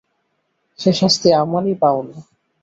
সে শাস্তি আমারই পাওনা।